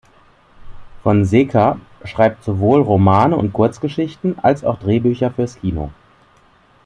Fonseca schreibt sowohl Romane und Kurzgeschichten als auch Drehbücher fürs Kino.